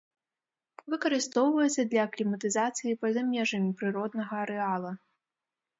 Выкарыстоўваецца для акліматызацыі па-за межамі прыроднага арэала.